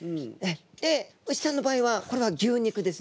で牛さんの場合はこれは牛肉ですね。